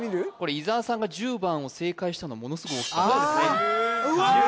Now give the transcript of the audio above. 伊沢さんが１０番を正解したのものすごい大きかったですうわ！